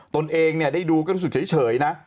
ตนเองได้ดูก็รู้สึกเฉยนะ